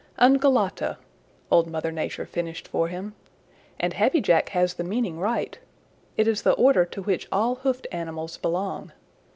"Ungulata," Old Mother Nature finished for him. "And Happy Jack has the meaning right. It is the order to which all hoofed animals belong.